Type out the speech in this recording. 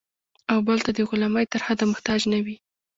او بل ته د غلامۍ تر حده محتاج نه وي.